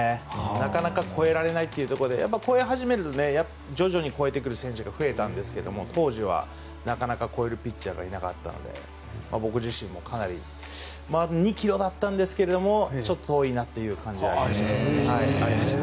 なかなか超えられないというので超え始めると徐々に超えてくる選手が出てきたんですが当時は、なかなか超えるピッチャーがいなかったので僕自身もかなりあと２ｋｍだったんですがちょっと遠いなというところがありました。